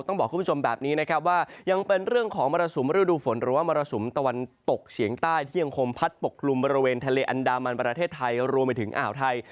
ต้องบอกคุณผู้ชมแบบนี้นะครับว่ายังเป็นเรื่องของมรสุมฤดูฝนหรือว่ามรสุมตะวันตกเฉียงใต้ที่ยังคงพัดปกกลุ่มบริเวณทะเลอันดามันประเทศไทยรวมไปถึงอ่าวไทย